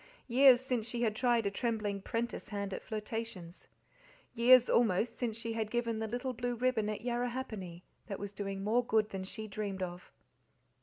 Years since she had tried a trembling 'prentice hand at flirtations. Years, almost, since she had given the little blue ribbon at Yarrahappini, that was doing more good than she dreamed of.